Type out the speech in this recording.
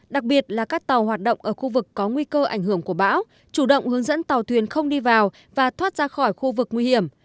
đặc biệt là các tàu hoạt động ở khu vực có nguy cơ ảnh hưởng của bão chủ động hướng dẫn tàu thuyền không đi vào và thoát ra khỏi khu vực nguy hiểm